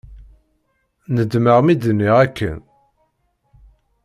Nedmeɣ mi d-nniɣ akken.